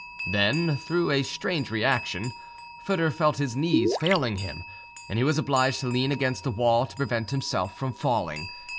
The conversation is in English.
Then, through a strange reaction, Foedor felt his knees failing him, and he was obliged to lean against a wall to prevent himself from falling.